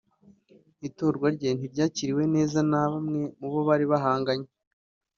Itorwa rye ntiryakiriwe neza na bamwe mu bo bari bahanganye